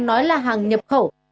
nói là hàng nhập khẩu